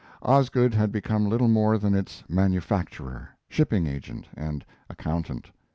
Osgood had become little more than its manufacturer, shipping agent, and accountant.